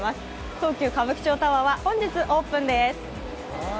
東急歌舞伎町タワーは本日オープンです。